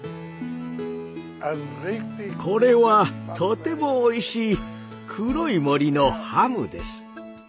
これはとてもおいしい黒い森のハムです。